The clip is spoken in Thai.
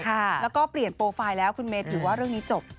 แล้วก็เปลี่ยนโปรไฟล์แล้วคุณเมย์ถือว่าเรื่องนี้จบ